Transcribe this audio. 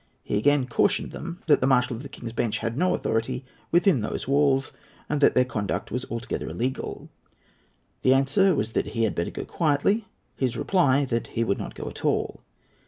He again cautioned them that the Marshal of the King's Bench had no authority within those walls, and that their conduct was altogether illegal. The answer was that he had better go quietly; his reply that he would not go at all.